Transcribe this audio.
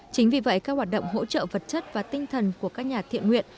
chính vì vậy các hoạt động hỗ trợ vật chất và tinh thần của các nhà thiện nguyện